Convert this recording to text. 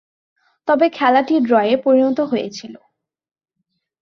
তবে, খেলাটি ড্রয়ে পরিণত হয়েছিল।